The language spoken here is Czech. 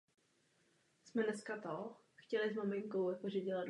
Možná bych měl položit otázku trochu jinak.